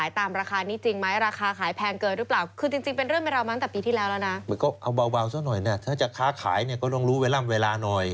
ต้องรู้เวลาหน่อย